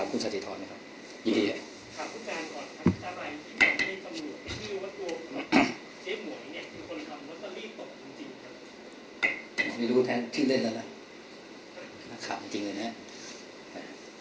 พี่รบดูทางที่เล่นแล้วนะมาข้ามจริงนะครับ